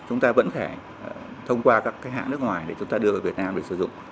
chúng ta vẫn thể thông qua các hãng nước ngoài để chúng ta đưa vào việt nam để sử dụng